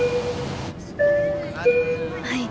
はい。